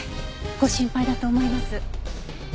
ご心配だと思います。